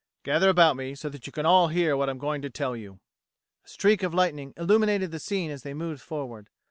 "Gather about me so that you can all hear what I'm going to tell you." A streak of lightning illuminated the scene as they moved forward.